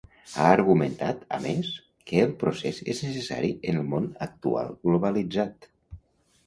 Ha argumentat, a més, que el procés és necessari en el món actual globalitzat.